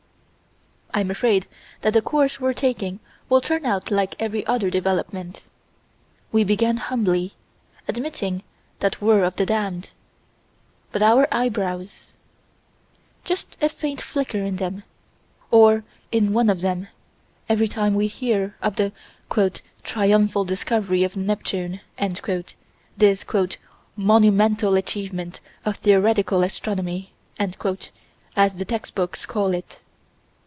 I'm afraid that the course we're taking will turn out like every other development. We began humbly, admitting that we're of the damned But our eyebrows Just a faint flicker in them, or in one of them, every time we hear of the "triumphal discovery of Neptune" this "monumental achievement of theoretical astronomy," as the text books call it.